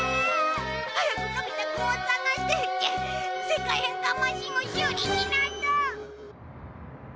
早くのび太くんを捜して世界変換マシンを修理しないと！